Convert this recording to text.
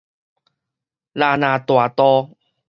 椰林大道